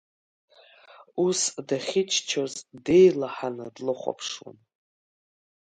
Ус дахьыччоз деилаҳаны длыхәаԥшуан.